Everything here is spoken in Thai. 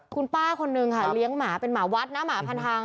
คุณป้าคนนึงค่ะเลี้ยงหมาเป็นหมาวัดนะหมาพันทาง